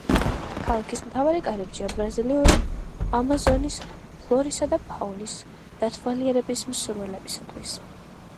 ქალაქი მთავარი კარიბჭეა ბრაზილიური ამაზონის ფლორისა და ფაუნის დათვალიერების მსურველთათვის.